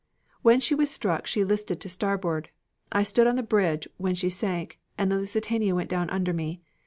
"When she was struck she listed to starboard. I stood on the bridge when she sank, and the Lusitania went down under me.